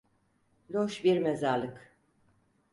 Loş bir mezarlık...